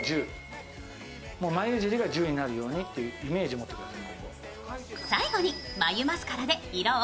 眉尻が１０になるようにというイメージを持ってください。